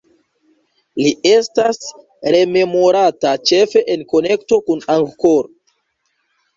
Li estas rememorata ĉefe en konekto kun Angkor.